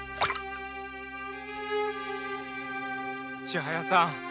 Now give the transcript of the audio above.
千早さん